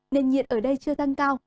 nền nhiệt ở đây chưa tăng cao